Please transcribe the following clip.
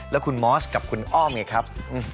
แล้วคุณมอสกับคุณอ้อมไงครับ